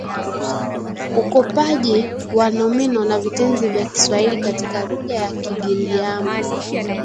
ukopaji wa nomino na vitenzi vya Kiswahili katika lugha ya Kigiriama